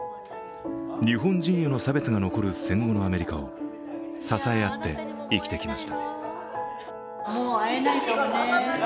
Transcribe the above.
日本人への差別が残る戦後のアメリカを支え合って生きてきました。